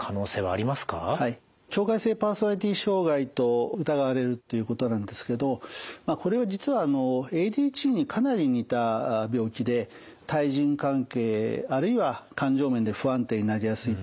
境界性パーソナリティー障害と疑われるっていうことなんですけどこれは実はＡＤＨＤにかなり似た病気で対人関係あるいは感情面で不安定になりやすいといった特徴がございます。